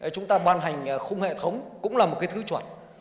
chúng ta ban hành khung hệ thống cũng là một cái thứ chuẩn